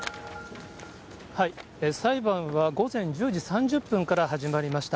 裁判は午前１０時３０分から始まりました。